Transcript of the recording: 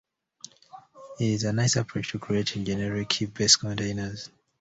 It is a nice approach for creating generic heap-based containers.